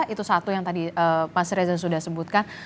itu satu yang tadi mas reza sudah sebutkan